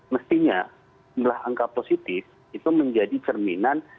mestinya jumlah angka positif itu menjadi cerminan